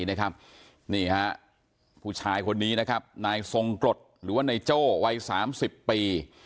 นี่ฮะผู้ชายคนนี้นะครับนายทรงกรดหรือว่านายโจ้วัย๓๐ปี